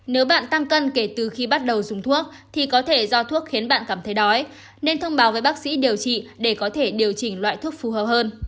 nếu bạn tăng cân kể từ khi bắt đầu dùng thuốc thì có thể do thuốc khiến bạn cảm thấy đói nên thông báo với bác sĩ điều trị để có thể điều chỉnh loại thuốc phù hợp hơn